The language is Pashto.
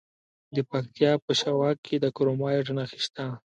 د پکتیا په شواک کې د کرومایټ نښې شته.